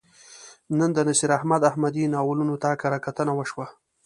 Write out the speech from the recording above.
نن د نصیر احمد احمدي ناولونو ته کرهکتنه وشوه.